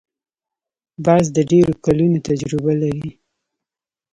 باز د ډېرو کلونو تجربه لري